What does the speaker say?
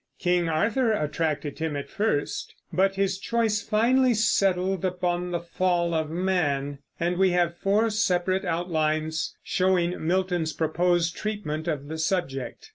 King Arthur attracted him at first; but his choice finally settled upon the Fall of Man, and we have four separate outlines showing Milton's proposed treatment of the subject.